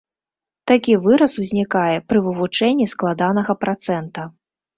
Такі выраз ўзнікае пры вывучэнні складанага працэнта.